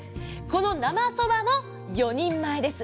この生そばも４人前です。